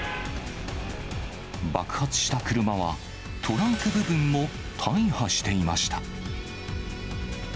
爆発した車は、トランク部分も大破していました。